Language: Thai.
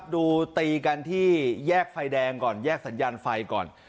ตีกันที่แยกไฟแดงก่อนแยกสัญญาณไฟก่อน